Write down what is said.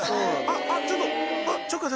あっあっちょっと。